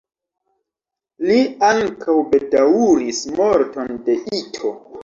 Li ankaŭ bedaŭris morton de Ito.